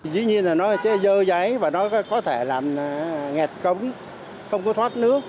dĩ nhiên là nó chế dơ giấy và nó có thể làm nghẹt cống không có thoát nước